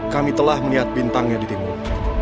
kami telah melihat bintangnya di timur